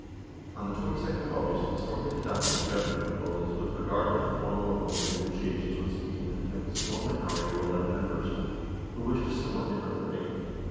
On the 22nd of August the Storthing adopted the Government proposals with regard to the formal opening of negotiations with Sweden against a small minority of eleven members, who wished a some what different wording.